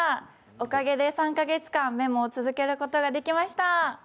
おかげで３か月間、メモを続けることができました。